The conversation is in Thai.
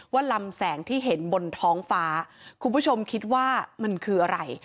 ลำแสงที่เห็นบนท้องฟ้าคุณผู้ชมคิดว่ามันคืออะไร